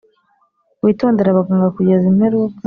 witondere abaganga kugeza imperuka